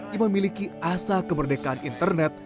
yang memiliki asa kemerdekaan internet